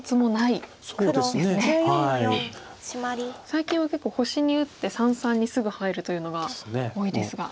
最近は結構星に打って三々にすぐ入るというのが多いですが。